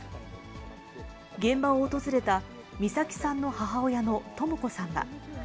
現場を訪れた美咲さんの母親のとも子さんは。